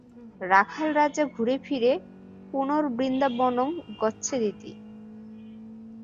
রাখাল-রাজা ঘুরে ফিরে পুনর্বৃন্দাবনং গচ্ছেদিতি।